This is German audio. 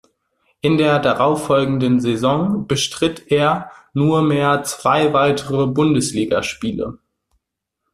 In der darauffolgenden Saison bestritt er nurmehr zwei weitere Bundesligaspiele.